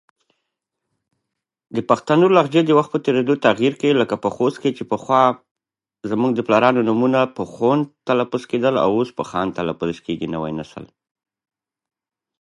په رانجو تورې وې.